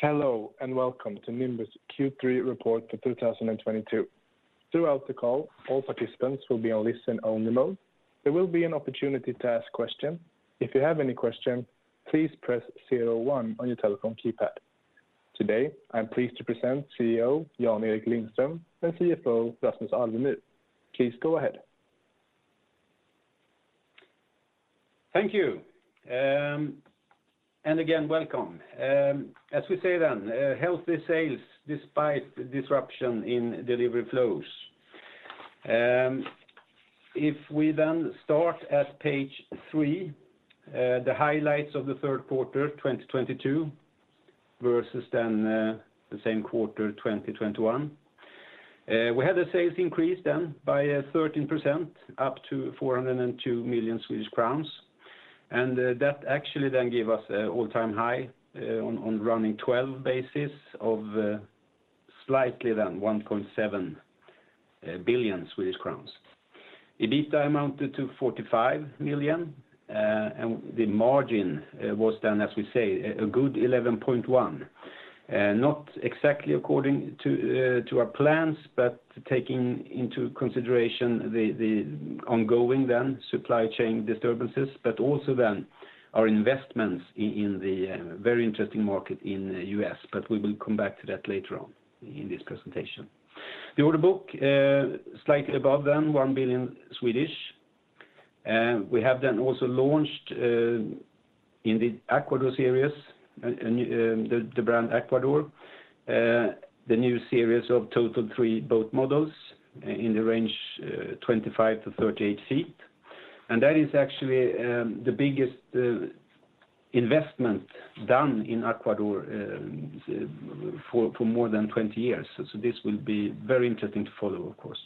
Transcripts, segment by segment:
Hello, and welcome to Nimbus Q3 Report for 2022. Throughout the call, all participants will be on listen only mode. There will be an opportunity to ask question. If you have any question, please press zero one on your telephone keypad. Today, I'm pleased to present CEO Jan-Erik Lindström and CFO Rasmus Alvemyr. Please go ahead. Thank you. Again, welcome. As we say, healthy sales despite disruption in delivery flows. If we start at page three, the highlights of the third quarter 2022 versus the same quarter 2021. We had the sales increase by 13% up to 402 million Swedish crowns. That actually gave us an all-time high on running 12 basis of slightly above 1.7 billion Swedish crowns. EBITDA amounted to 45 million, and the margin was, as we say, a good 11.1%. Not exactly according to our plans, but taking into consideration the ongoing supply chain disturbances, but also our investments in the very interesting market in U.S., but we will come back to that later on in this presentation. The order book slightly above than 1 billion. We have then also launched in the Aquador series, in the brand Aquador, the new series of total three boat models in the range 25-38 ft. That is actually the biggest investment done in Aquador for more than 20 years. This will be very interesting to follow, of course.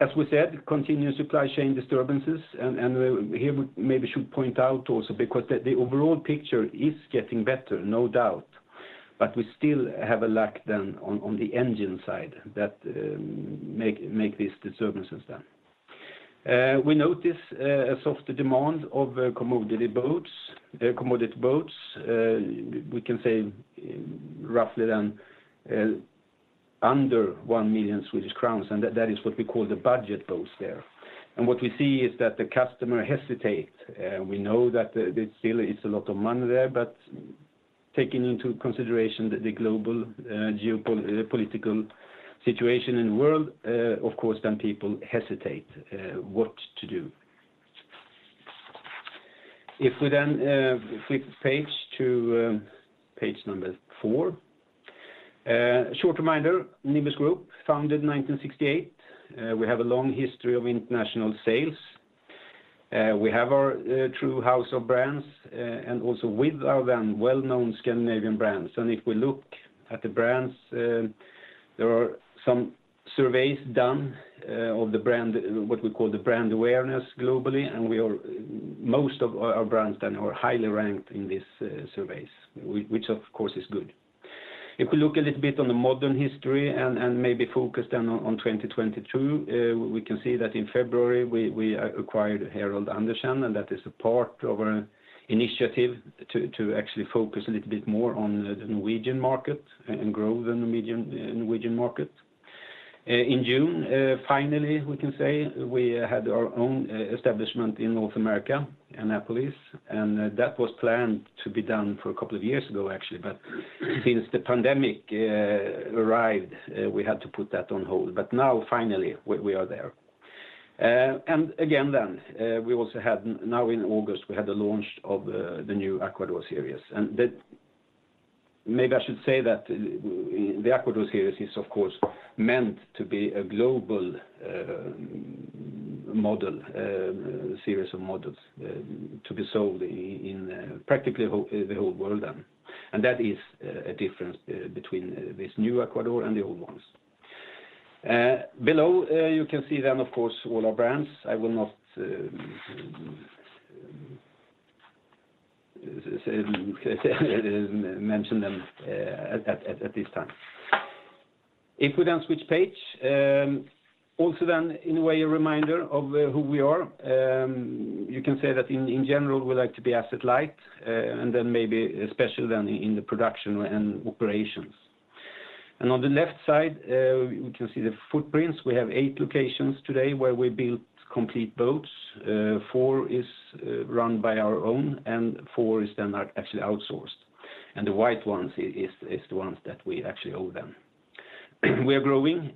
As we said, continued supply chain disturbances, and here we maybe should point out also because the overall picture is getting better, no doubt. We still have a lack then on the engine side that make these disturbances then. We notice a softer demand for commodity boats. We can say roughly under 1 million Swedish crowns, and that is what we call the budget boats there. What we see is that the customer hesitates. We know that there still is a lot of money there, but taking into consideration the global geopolitical situation in the world, of course, then people hesitate what to do. If we then flip page to page number four. Short reminder, Nimbus Group, founded 1968. We have a long history of international sales. We have our house of brands, and also with our the well-known Scandinavian brands. If we look at the brands, there are some surveys done of the brand what we call the brand awareness globally, and most of our brands then are highly ranked in these surveys, which of course is good. If we look a little bit on the modern history and maybe focus then on 2022, we can see that in February, we acquired Herholdt Andersen, and that is a part of our initiative to actually focus a little bit more on the Norwegian market and grow the Norwegian market. In June, finally, we can say we had our own establishment in North America, Annapolis, and that was planned to be done for a couple of years ago, actually. Since the pandemic arrived, we had to put that on hold. Now, finally, we are there. Again then, we also had, now in August, we had the launch of the new Aquador series. That. Maybe I should say that the Aquador series is of course meant to be a global model series of models to be sold in practically the whole world then. That is a difference between this new Aquador and the old ones. Below, you can see then, of course, all our brands. I will not mention them at this time. If we then switch page, also then in a way a reminder of who we are. You can say that in general, we like to be asset light, and then maybe especially then in the production and operations. On the left side, we can see the footprints. We have eight locations today where we build complete boats. Four is run by our own, and four are actually outsourced. The white ones is the ones that we actually own them. We are growing.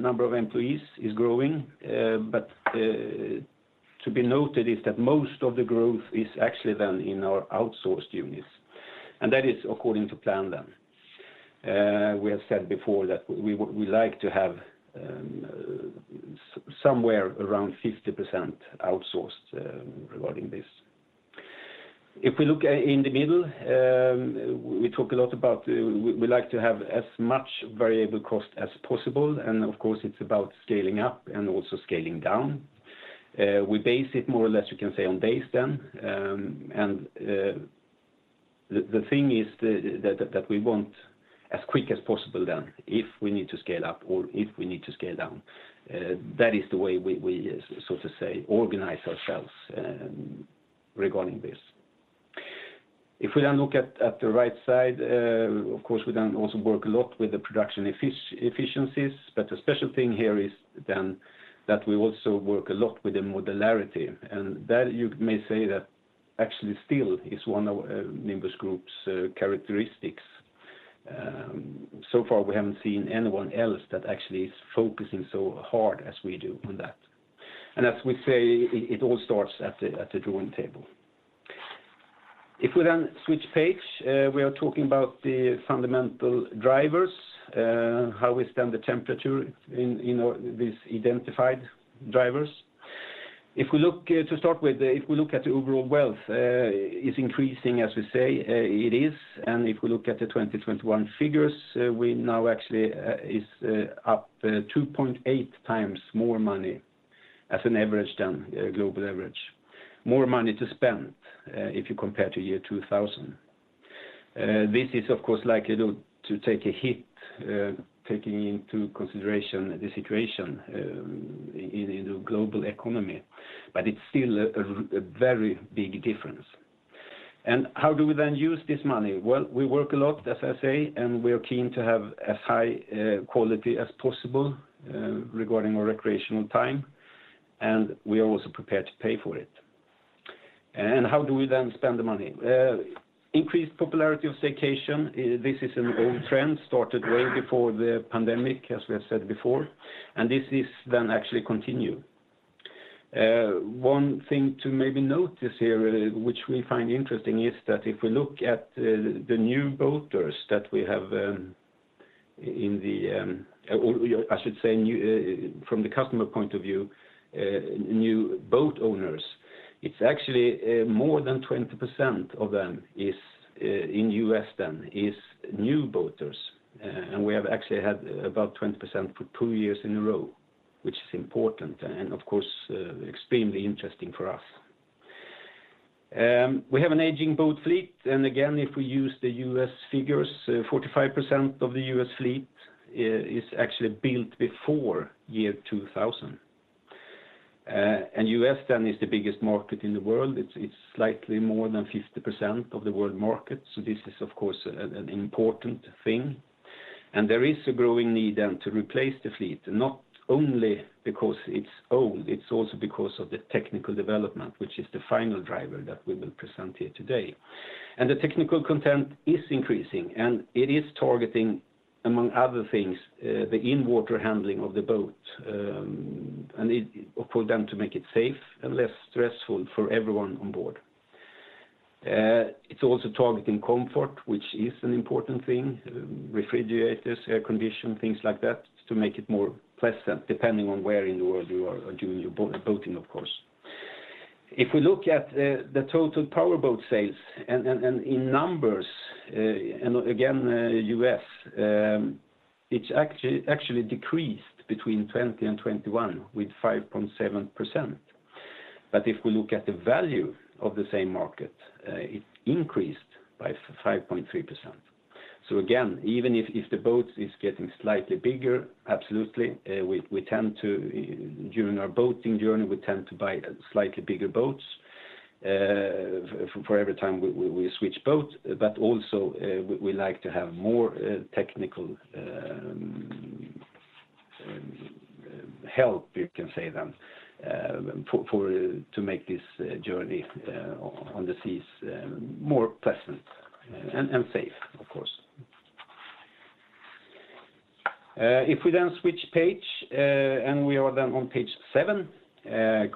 Number of employees is growing. To be noted is that most of the growth is actually then in our outsourced units, and that is according to plan then. We have said before that we would, we like to have, somewhere around 50% outsourced, regarding this. If we look in the middle, we talk a lot about, we like to have as much variable cost as possible, and of course, it's about scaling up and also scaling down. We base it more or less, you can say, on days then, and the thing is that we want as quick as possible then if we need to scale up or if we need to scale down. That is the way we so to say organize ourselves regarding this. If we then look at the right side, of course, we then also work a lot with the production efficiencies, but the special thing here is then that we also work a lot with the modularity, and that you may say that actually still is one of Nimbus Group's characteristics. So far we haven't seen anyone else that actually is focusing so hard as we do on that. As we say, it all starts at the drawing table. If we switch page, we are talking about the fundamental drivers, how we stand the test of time in our identified drivers. To start with, if we look at the overall wealth is increasing as we say, it is. If we look at the 2021 figures, we now actually is up 2.8 times more money as an average than global average. More money to spend if you compare to year 2000. This is of course likely to take a hit, taking into consideration the situation in the global economy, but it's still a very big difference. How do we then use this money? Well, we work a lot, as I say, and we are keen to have as high quality as possible regarding our recreational time, and we are also prepared to pay for it. How do we then spend the money? Increased popularity of staycation, this is an old trend, started way before the pandemic, as we have said before, and this is then actually continue. One thing to maybe note this here, which we find interesting, is that if we look at the new boaters that we have in the... I should say new from the customer point of view, new boat owners. It's actually more than 20% of them is in U.S. then is new boaters. We have actually had about 20% for two years in a row, which is important and of course extremely interesting for us. We have an aging boat fleet, and again if we use the U.S. figures, 45% of the U.S. fleet is actually built before year 2000. U.S. then is the biggest market in the world. It's slightly more than 50% of the world market, so this is of course an important thing. There is a growing need then to replace the fleet, not only because it's old, it's also because of the technical development, which is the final driver that we will present here today. The technical content is increasing, and it is targeting, among other things, the in-water handling of the boat. For them to make it safe and less stressful for everyone on board. It's also targeting comfort, which is an important thing, refrigerators, air condition, things like that, to make it more pleasant, depending on where in the world you are doing your boat-boating, of course. If we look at the total power boat sales and in numbers, and again, U.S., it's actually decreased between 2020 and 2021 with 5.7%. If we look at the value of the same market, it increased by 5.3%. Again, even if the boat is getting slightly bigger, absolutely, we tend to, during our boating journey, tend to buy slightly bigger boats, for every time we switch boat, but also, we like to have more technical help, you can say, for to make this journey on the seas more pleasant and safe, of course. If we then switch page and we are then on page seven,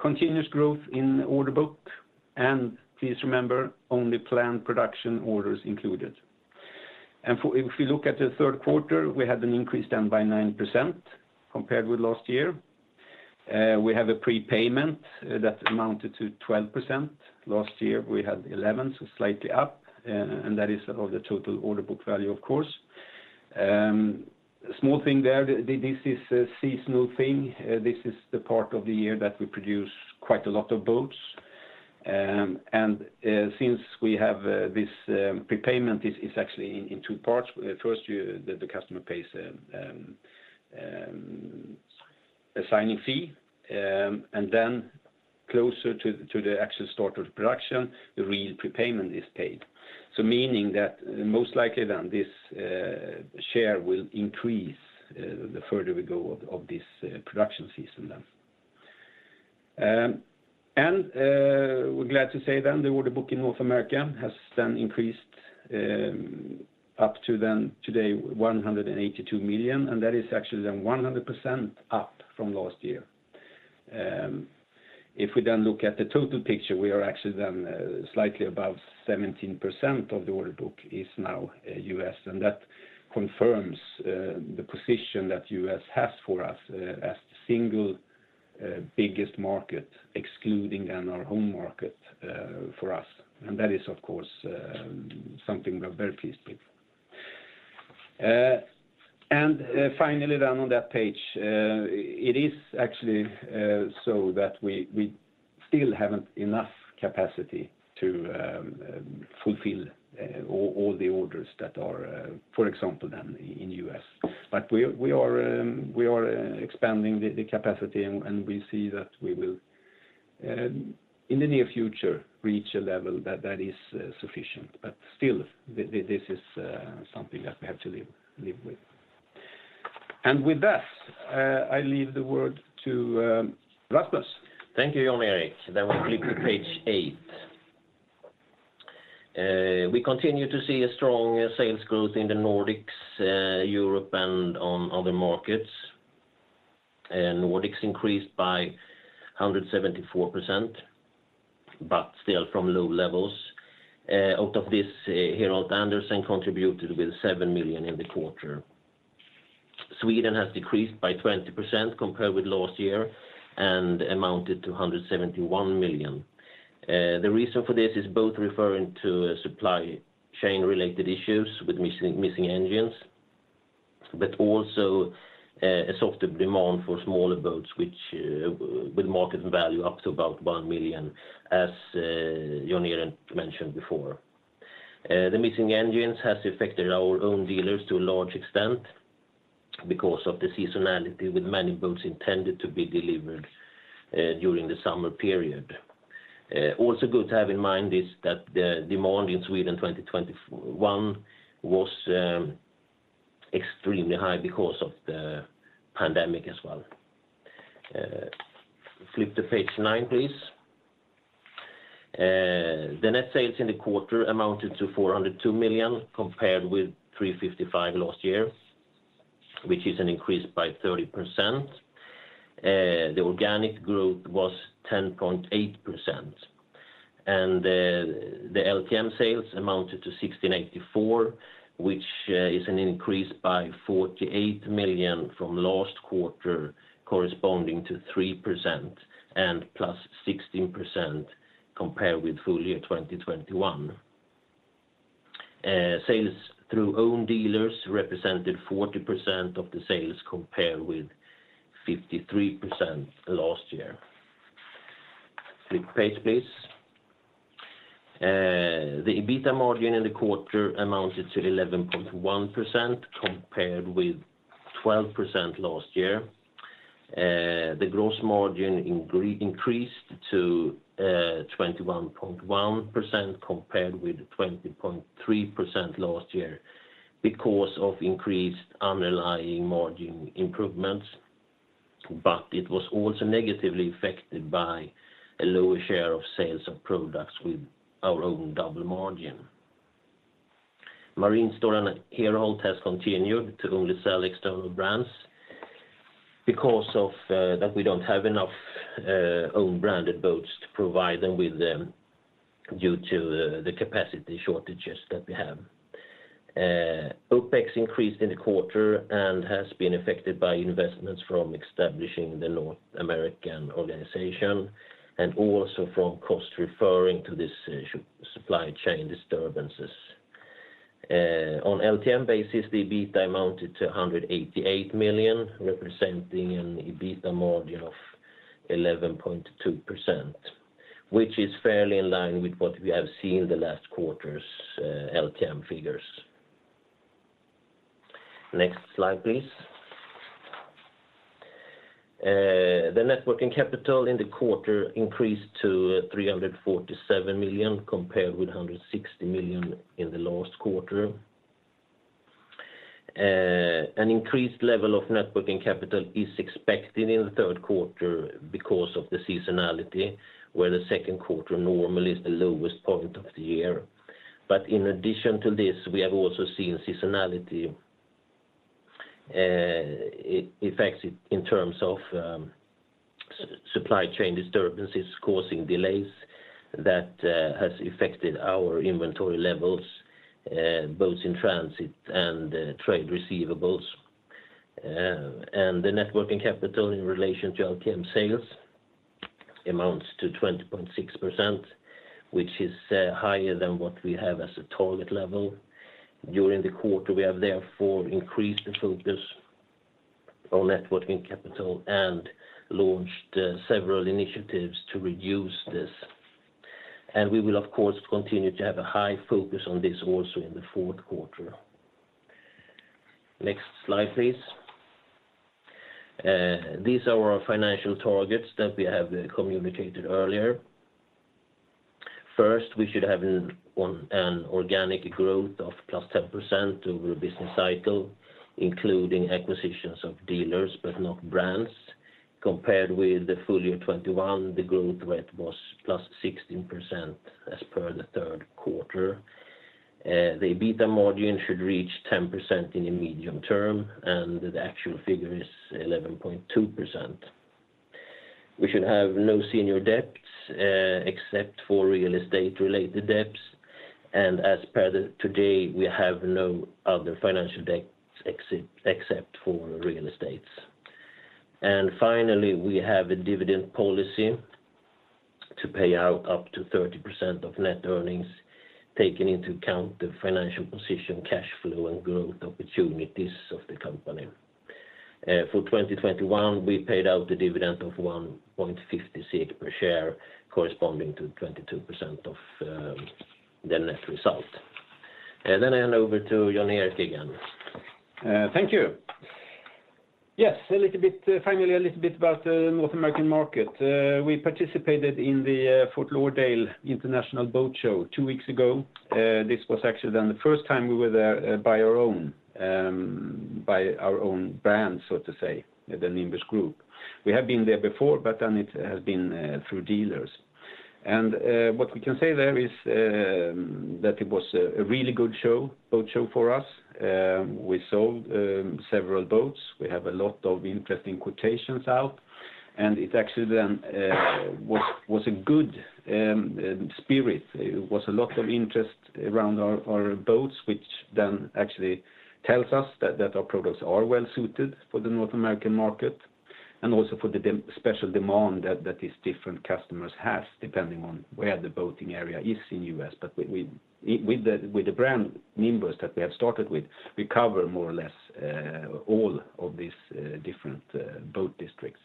continuous growth in order book, and please remember, only planned production orders included. If we look at the third quarter, we had an increase then by 9% compared with last year. We have a prepayment that amounted to 12%. Last year, we had 11%, so slightly up, and that is of the total order book value, of course. Small thing there, this is a seasonal thing. This is the part of the year that we produce quite a lot of boats. Since we have this prepayment is actually in two parts. First, the customer pays a signing fee, and then closer to the actual start of production, the real prepayment is paid. Meaning that most likely that this share will increase the further we go of this production season then. We're glad to say then the order book in North America has then increased up to then today $182 million, and that is actually then 100% up from last year. If we then look at the total picture, we are actually then slightly above 17% of the order book is now U.S., and that confirms the position that U.S. has for us as the single biggest market, excluding then our home market for us. That is, of course, something we are very pleased with. Finally then on that page, it is actually so that we still haven't enough capacity to fulfill all the orders that are for example that in U.S. We are expanding the capacity and we see that we will in the near future reach a level that is sufficient. Still, this is something that we have to live with. With that, I leave the word to Rasmus. Thank you, Jan-Erik. We flip to page eight. We continue to see a strong sales growth in the Nordics, Europe, and on other markets. Nordics increased by 174%, but still from low levels. Out of this, Herholdt Andersen contributed with 7 million in the quarter. Sweden has decreased by 20% compared with last year and amounted to 171 million. The reason for this is both referring to supply chain-related issues with missing engines, but also a softer demand for smaller boats which with market value up to about 1 million, as Jan-Erik mentioned before. The missing engines has affected our own dealers to a large extent because of the seasonality with many boats intended to be delivered during the summer period. Also good to have in mind is that the demand in Sweden 2021 was extremely high because of the pandemic as well. Flip to page nine, please. The net sales in the quarter amounted to 402 million compared with 355 million last year, which is an increase by 30%. The organic growth was 10.8%. The LTM sales amounted to 1,684, which is an increase by 48 million from last quarter, corresponding to 3% and plus 16% compared with full year 2021. Sales through own dealers represented 40% of the sales compared with 53% last year. Flip page, please. The EBITDA margin in the quarter amounted to 11.1% compared with 12% last year. The gross margin increased to 21.1% compared with 20.3% last year because of increased underlying margin improvements, but it was also negatively affected by a lower share of sales of products with our own double margin. Herholdt Andersen has continued to only sell external brands because of that we don't have enough own branded boats to provide them with them due to the capacity shortages that we have. OpEx increased in the quarter and has been affected by investments from establishing the North American organization and also from costs referring to these supply chain disturbances. On LTM basis, the EBITDA amounted to 188 million, representing an EBITDA margin of 11.2%, which is fairly in line with what we have seen in the last quarter's LTM figures. Next slide, please. The net working capital in the quarter increased to 347 million compared with 160 million in the last quarter. An increased level of networking capital is expected in the third quarter because of the seasonality, where the second quarter normally is the lowest point of the year. In addition to this, we have also seen seasonality affected in terms of supply chain disturbances causing delays that has affected our inventory levels both in transit and trade receivables. The net working capital in relation to LTM sales amounts to 20.6%, which is higher than what we have as a target level. During the quarter, we have therefore increased the focus on net working capital and launched several initiatives to reduce this. We will of course continue to have a high focus on this also in the fourth quarter. Next slide, please. These are our financial targets that we have communicated earlier. First, we should have an organic growth of +10% over the business cycle, including acquisitions of dealers but not brands. Compared with the full year 2021, the growth rate was +16% as per the third quarter. The EBITDA margin should reach 10% in the medium term, and the actual figure is 11.2%. We should have no senior debts, except for real estate-related debts. As per today, we have no other financial debts except for real estates. Finally, we have a dividend policy to pay out up to 30% of net earnings, taking into account the financial position, cash flow, and growth opportunities of the company. For 2021, we paid out a dividend of 1.50 per share, corresponding to 22% of the net result. I hand over to Jan-Erik again. Thank you. Yes, a little bit finally about North American market. We participated in the Fort Lauderdale International Boat Show two weeks ago. This was actually then the first time we were there by our own brand, so to say, the Nimbus Group. We have been there before, but then it has been through dealers. What we can say there is that it was a really good boat show for us. We sold several boats. We have a lot of interesting quotations out, and it actually then was a good spirit. It was a lot of interest around our boats, which then actually tells us that our products are well-suited for the North American market and also for the special demand that these different customers has, depending on where the boating area is in U.S. We with the brand Nimbus that we have started with, we cover more or less all of these different boat districts.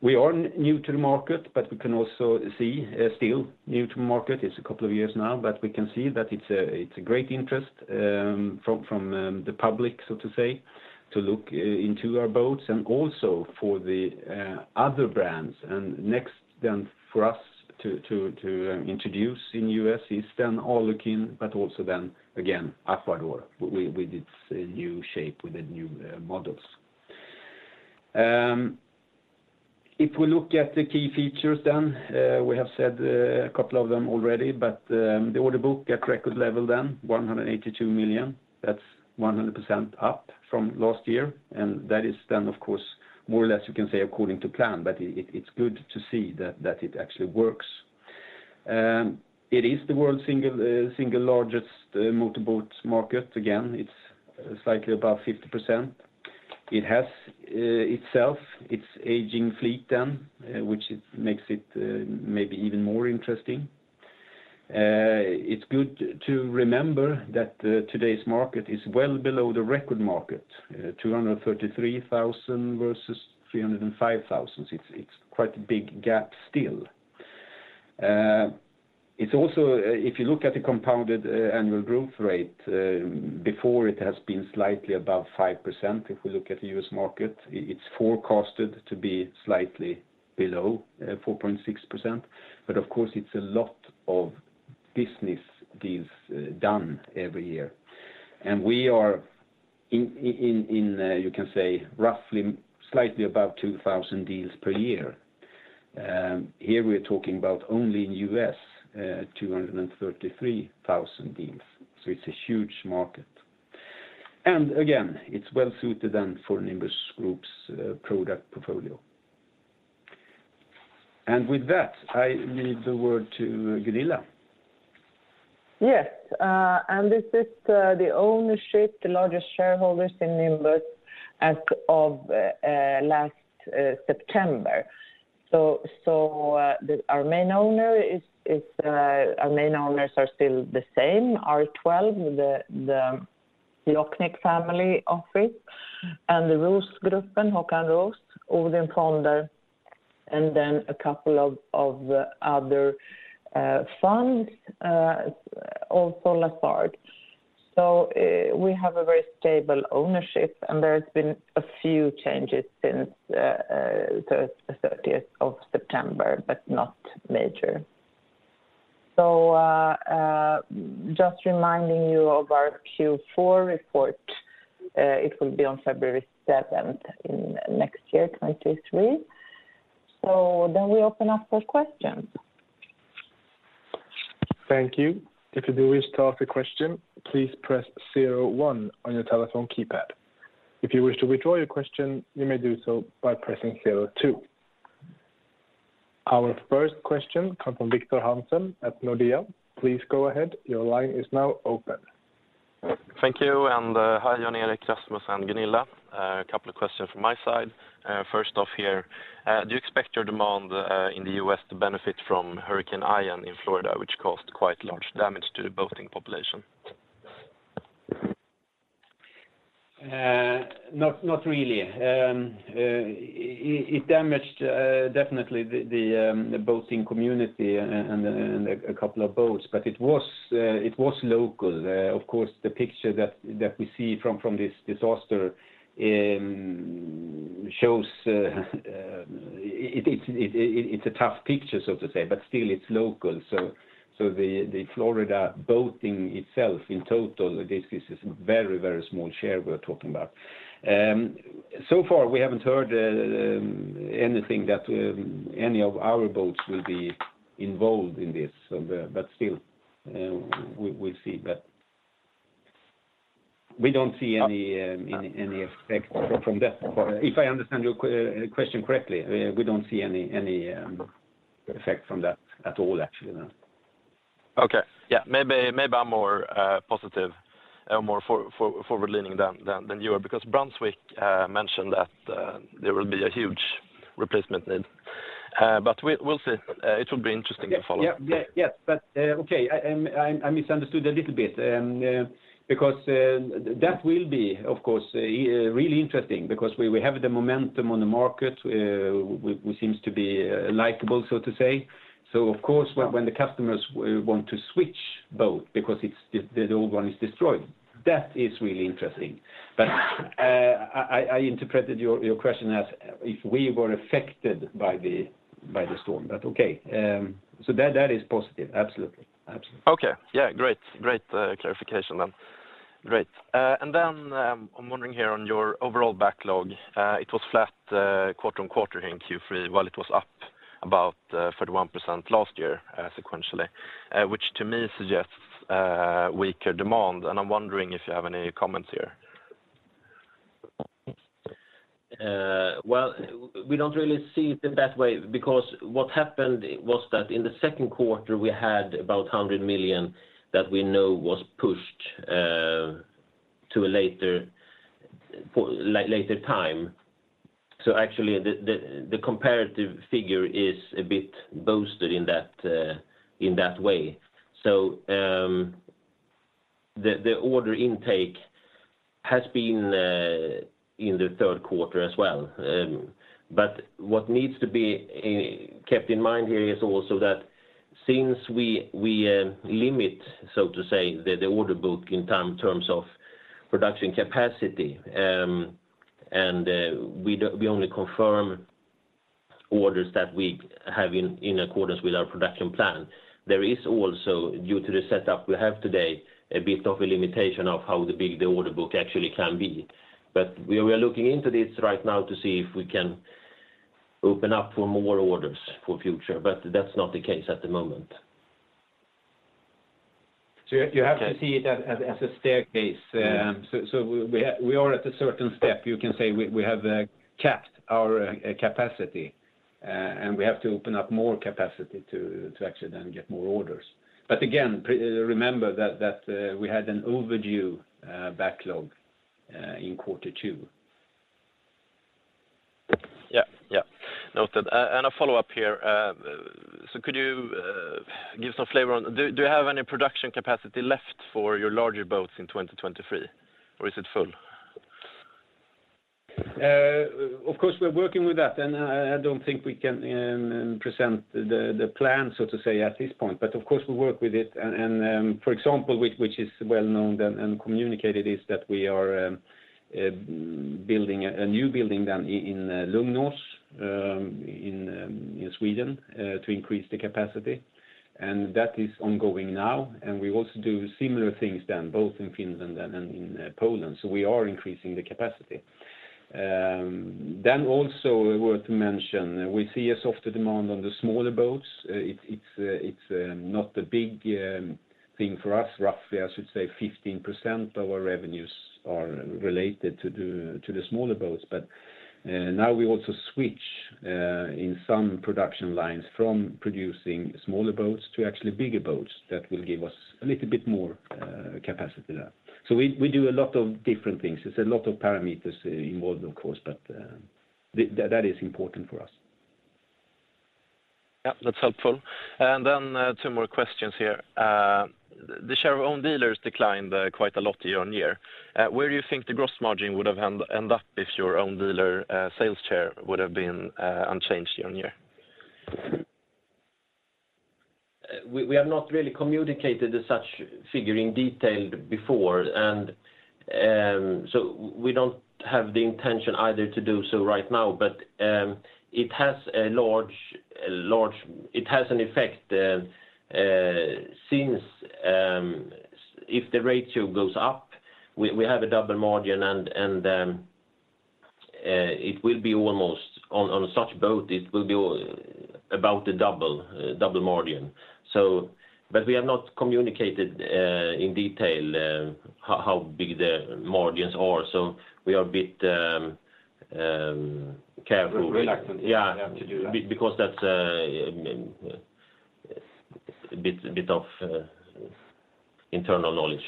We are new to the market, but we can also see still new to market. It's a couple of years now, but we can see that it's a great interest from the public, so to say, to look into our boats and also for the other brands. Next then for us to introduce in U.S. is then Alukin, but also then again, Aquador with its new shape, with the new models. If we look at the key features then, we have said a couple of them already, but the order book at record level then, $182 million. That's 100% up from last year, and that is then of course, more or less you can say according to plan. It is good to see that it actually works. It is the world's single largest motorboats market. Again, it's slightly above 50%. It has itself, its aging fleet then, which it makes it maybe even more interesting. It's good to remember that, today's market is well below the record market, 233,000 versus 305,000. It's quite a big gap still. It's also, if you look at the compound annual growth rate, before it has been slightly above 5%, if we look at the U.S. Market, it's forecasted to be slightly below 4.6%. Of course, it's a lot of business deals done every year. We are in, you can say roughly slightly above 2,000 deals per year. Here we are talking about only in U.S., 233,000 deals, so it's a huge market. Again, it's well suited then for Nimbus Group's product portfolio. With that, I leave the word to Gunilla. This is the ownership, the largest shareholders in Nimbus as of last September. Our main owners are still the same, R12, the Löweneus Family Office, and the Roosgruppen, Håkan Roos, ODIN Fonder, and then a couple of other funds, also Lazard. We have a very stable ownership, and there's been a few changes since the 30 September, but not major. Just reminding you of our Q4 report, it will be on February seventh in next year, 2023. Then we open up for questions. Thank you. If you do wish to ask a question, please press zero one on your telephone keypad. If you wish to withdraw your question, you may do so by pressing zero two. Our first question comes from Victor Hansen at Nordea. Please go ahead, your line is now open. Thank you, hi, Jan-Erik, Rasmus, and Gunilla. A couple of questions from my side. First off here, do you expect your demand in the U.S. to benefit from Hurricane Ian in Florida, which caused quite large damage to the boating population? Not really. It damaged definitely the boating community and a couple of boats, but it was local. Of course, the picture that we see from this disaster shows it's a tough picture, so to say, but still it's local. The Florida boating itself in total, this is a very small share we're talking about. So far we haven't heard anything that any of our boats will be involved in this. Still, we'll see. We don't see any effect from that. If I understand your question correctly, we don't see any effect from that at all, actually, no. Okay. Yeah, maybe I'm more positive or more forward leaning than you are, because Brunswick mentioned that there will be a huge replacement need. We'll see. It will be interesting to follow. Yeah. Yes, okay. I misunderstood a little bit. Because that will be, of course, really interesting because we have the momentum on the market. We seems to be likable, so to say. Of course when the customers want to switch boat because it's the old one is destroyed, that is really interesting. I interpreted your question as if we were affected by the storm, but okay. That is positive. Absolutely. Okay. Yeah, great clarification then. I'm wondering here on your overall backlog. It was flat quarter-on-quarter in Q3 while it was up about 31% last year sequentially, which to me suggests weaker demand, and I'm wondering if you have any comments here. Well, we don't really see it in that way because what happened was that in the second quarter, we had about 100 million that we know was pushed to a later time. Actually the comparative figure is a bit boosted in that way. The order intake has been in the third quarter as well. What needs to be kept in mind here is also that since we limit, so to say, the order book in terms of production capacity, and we only confirm orders that we have in accordance with our production plan. There is also, due to the setup we have today, a bit of a limitation of how big the order book actually can be. We are looking into this right now to see if we can open up for more orders for future, but that's not the case at the moment. You have to see it as a staircase. We are at a certain step. You can say we have capped our capacity, and we have to open up more capacity to actually then get more orders. Again, remember that we had an overdue backlog in quarter two. Yeah. Noted. A follow-up here. Could you give some flavor on, do you have any production capacity left for your larger boats in 2023, or is it full? Of course, we're working with that, and I don't think we can present the plan, so to say, at this point. Of course, we work with it and, for example, which is well-known and communicated is that we are building a new building down in Lugnås in Sweden to increase the capacity, and that is ongoing now. We also do similar things than both in Finland and in Poland. We are increasing the capacity. Also worth to mention, we see a softer demand on the smaller boats. It's not a big thing for us. Roughly, I should say 15% of our revenues are related to the smaller boats. Now we also switch in some production lines from producing smaller boats to actually bigger boats that will give us a little bit more capacity there. We do a lot of different things. There's a lot of parameters involved, of course, but that is important for us. Yeah, that's helpful. Two more questions here. The share of own dealers declined quite a lot year-on-year. Where do you think the gross margin would have ended up if your own dealer sales share would have been unchanged year-on-year? We have not really communicated such figures in detail before, so we don't have the intention either to do so right now. It has an effect since if the ratio goes up, we have a double margin, and it will be almost on such a boat about double margin. We have not communicated in detail how big the margins are. We are a bit careful. Reluctant, yeah, to do that. Yeah. Because that's a bit of internal knowledge.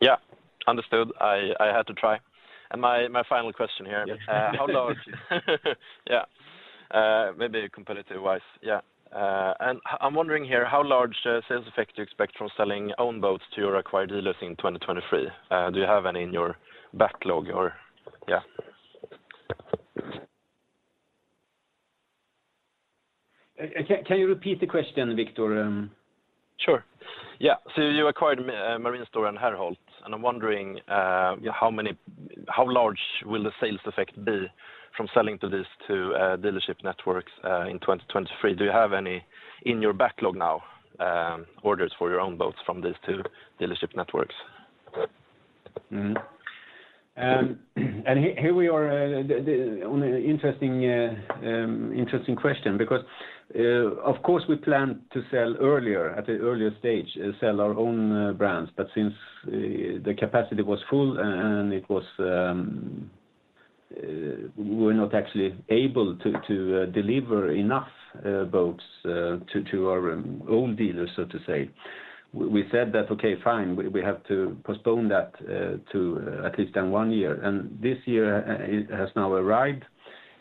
Yeah. Understood. I had to try. My final question here. Yes. I'm wondering here, how large a sales effect do you expect from selling own boats to your acquired dealers in 2023? Do you have any in your backlog or? Can you repeat the question, Victor? Sure. Yeah. You acquired Marine Store and Herholdt, and I'm wondering how large will the sales effect be from selling to these two dealership networks in 2023? Do you have any in your backlog now orders for your own boats from these two dealership networks? Mm-hmm. Here we are on an interesting question, because of course, we plan to sell earlier, at an earlier stage, sell our own brands. But since the capacity was full and it was We're not actually able to deliver enough boats to our own dealers, so to say. We said that, okay, fine, we have to postpone that to at least then one year. This year has now arrived.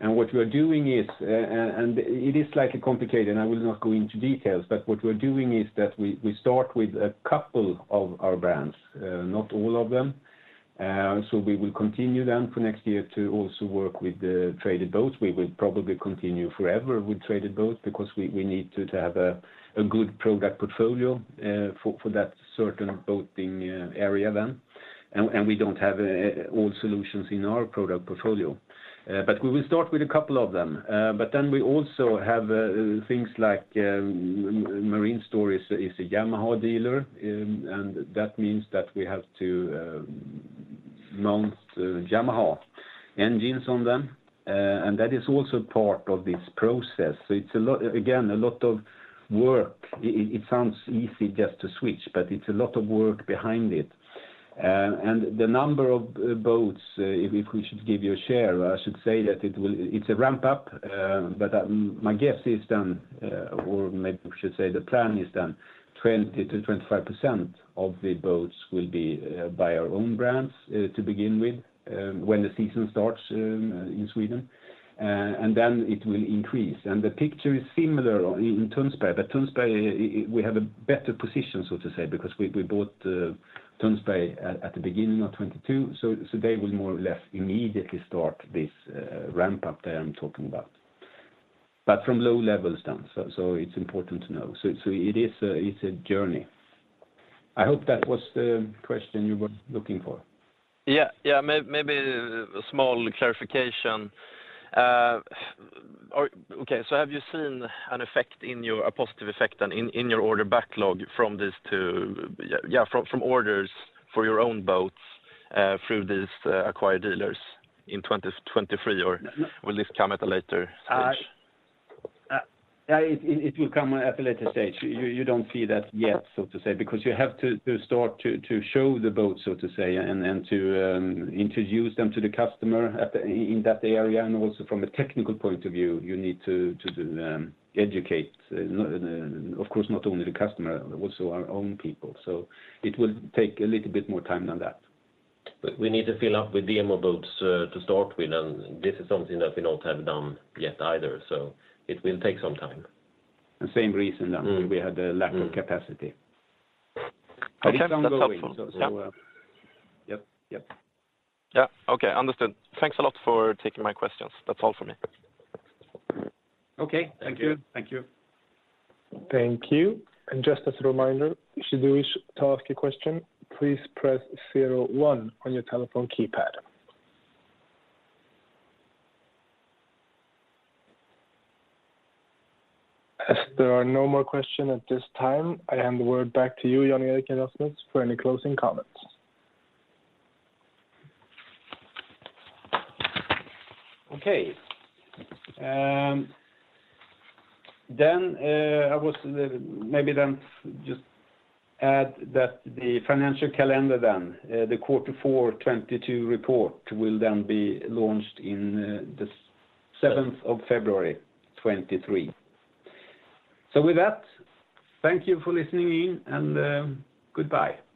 What we are doing is, and it is slightly complicated, and I will not go into details, but what we're doing is that we start with a couple of our brands, not all of them. We will continue then for next year to also work with the traded boats. We will probably continue forever with traded boats because we need to have a good product portfolio for that certain boating area then. We don't have all solutions in our product portfolio. We will start with a couple of them. We also have things like Morgan Marine is a Yamaha dealer, and that means that we have to mount Yamaha engines on them. That is also part of this process. It's again a lot of work. It sounds easy just to switch, but it's a lot of work behind it. The number of boats, if we should give you a share, I should say that it will. It's a ramp-up, my guess is, or maybe we should say the plan is 20%-25% of the boats will be by our own brands to begin with, when the season starts in Sweden. Then it will increase. The picture is similar in Tønsberg. Tønsberg, we have a better position, so to say, because we bought Tønsberg at the beginning of 2022, so they will more or less immediately start this ramp-up there I'm talking about. From low levels then, it's important to know. It is a journey. I hope that was the question you were looking for. Yeah, yeah. Maybe a small clarification. Or okay, so have you seen an effect in your, a positive effect, then, in your order backlog from this too, yeah, from orders for your own boats through these acquired dealers in 2023? Will this come at a later stage? It will come at a later stage. You don't see that yet, so to say, because you have to start to show the boats, so to say, and then to introduce them to the customer in that area, and also from a technical point of view, you need to educate, of course, not only the customer, also our own people. It will take a little bit more time than that. We need to fill up with demo boats, to start with, and this is something that we don't have done yet either. It will take some time. The same reason that we had a lack of capacity. Okay, that's helpful. So, so, uh- Yeah. Yep, yep. Yeah. Okay, understood. Thanks a lot for taking my questions. That's all for me. Okay. Thank you. Thank you. Thank you. Just as a reminder, if you do wish to ask a question, please press zero one on your telephone keypad. As there are no more questions at this time, I hand the word back to you, Jan-Erik Lindström, for any closing comments. Just add that the financial calendar, the quarter four 2022 report will be launched in the seventh of February 2023. With that, thank you for listening in, and goodbye. Thank you.